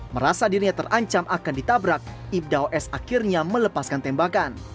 merasa dirinya terancam akan ditabrak ibda os akhirnya melepaskan tembakan